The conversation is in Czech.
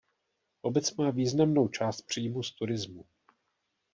Obec má významnou část příjmu z turismu.